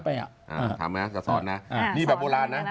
เอามาหลบปลายนิ้ว